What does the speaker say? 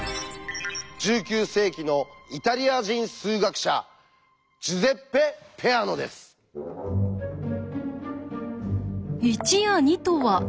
１９世紀のイタリア人数学者「１」や「２」とは何なのか？